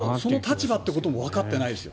要するにその立場ということもわかってないですよ。